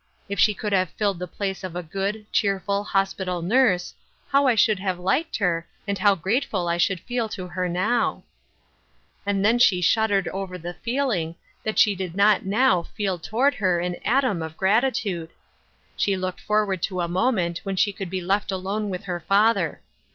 If she could have filled the place of a good, cheerful, hospital nurse, how I should have liked her, and how grateful I should feel to her now !" And then she shuddered over the feeling that she did not now feel toward her an atom of gratitude ! She looked forward to a moment when she could be left alone with her father.